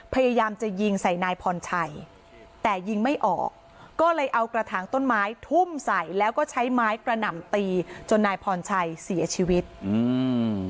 พยายามจะยิงใส่นายพรชัยแต่ยิงไม่ออกก็เลยเอากระถางต้นไม้ทุ่มใส่แล้วก็ใช้ไม้กระหน่ำตีจนนายพรชัยเสียชีวิตอืม